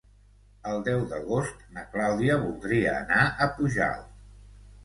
El deu d'agost na Clàudia voldria anar a Pujalt.